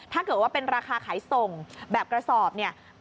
ถ้าเกิดว่าเป็นราคาขายส่งแบบกระสอบเนี่ย